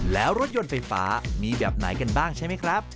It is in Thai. แล้วรถยนต์ไฟฟ้ามีแบบไหนกันบ้างใช่ไหมครับ